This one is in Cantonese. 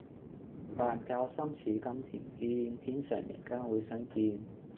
但教心似金鈿堅，天上人間會相見。